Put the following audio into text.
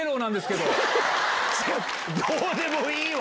どうでもいいわ。